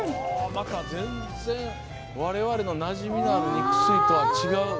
全然、我々のなじみのある肉吸いとは違う。